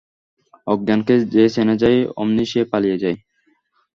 অজ্ঞানকে যেই চেনা যায়, অমনি সে পালিয়ে যায়।